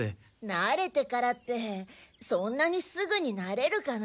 なれてからってそんなにすぐになれるかな？